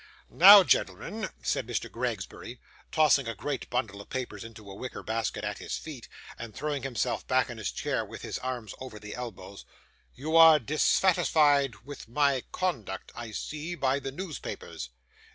'Now, gentlemen,' said Mr. Gregsbury, tossing a great bundle of papers into a wicker basket at his feet, and throwing himself back in his chair with his arms over the elbows, 'you are dissatisfied with my conduct, I see by the newspapers.